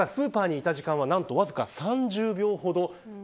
ただスーパーにいた時間はわずか３０秒ほど。